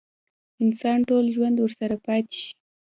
انسان ټول ژوند ورسره پاتې شي.